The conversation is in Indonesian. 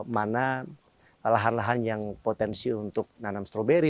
mana lahan lahan yang potensi untuk nanam stroberi